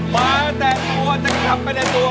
มาแต่ตัวจะกลับไปในตัว